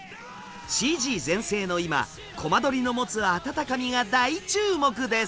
ＣＧ全盛の今コマ撮りの持つ温かみが大注目です。